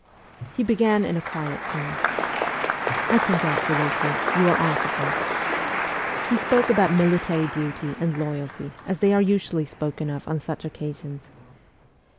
He began in a quiet tone. ' I congratulate you : you are officers.' He spoke about military duty and loyalty as they are usually spoken of on such occasions.